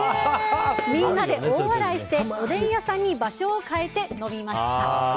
みんなで大笑いしておでん屋さんに場所を変えて飲みました。